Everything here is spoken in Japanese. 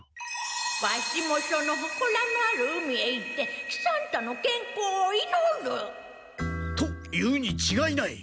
ワシもそのほこらのある海へ行って喜三太の健康を祈る！と言うにちがいない。